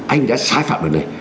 anh đã sai phạm lần này